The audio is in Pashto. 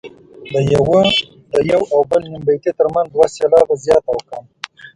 د یو او بل نیم بیتي ترمنځ دوه سېلابه زیات او کم.